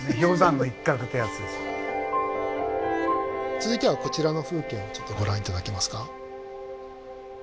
続いてはこちらの風景をちょっとご覧頂けますか。